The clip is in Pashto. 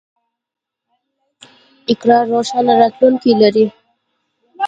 اقرا روښانه راتلونکی لري.